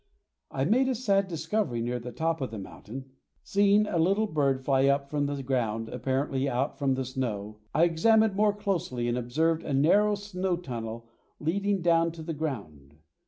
I made a sad discovery near the top of the mountain. Seeing a little bird fly up from the ground apparently out from the snow, I examined more closely and observed a narrow snow tunnel leading down to the ground.